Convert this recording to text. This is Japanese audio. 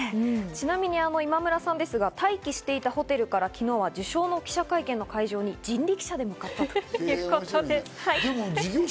ちなみに今村さんですが、待機していたホテルから昨日は受賞の記者会見の会場に人力車で向かったということです。